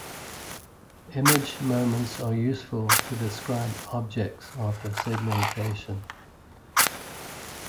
Image moments are useful to describe objects after segmentation.